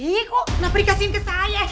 ih kok kenapa dikasihin ke saya